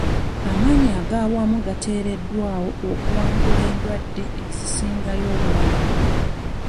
Amaanyi agawamu gateereddwawo okuwangula endwadde esingayo obulabe.